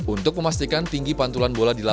untuk memastikan tinggi pantulan bola